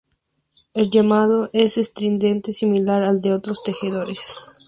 El llamado es estridente, similar al de otros tejedores.